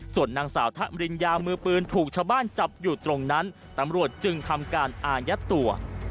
ส่วนนางสาวทะมริญญามือปืนถูกชาวบ้านจับอยู่ตรงนั้นตำรวจจึงทำการอายัดตัว